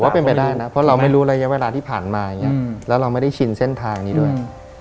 เป็นไปได้นะเพราะเราไม่รู้ระยะเวลาที่ผ่านมาอย่างนี้แล้วเราไม่ได้ชินเส้นทางนี้ด้วย